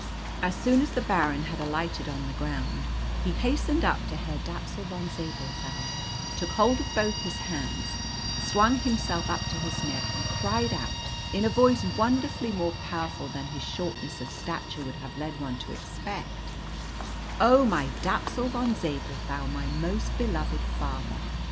As soon as the Baron had alighted on the ground, he hastened up to Herr Dapsul von Zabelthau, took hold of both his hands, swung himself up to his neck, and cried out, in a voice wonderfully more powerful than his shortness of stature would have led one to expect, "Oh, my Dapsul von Zabelthau, my most beloved father!"